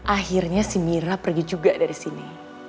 akhirnya si mira pergi juga dari sini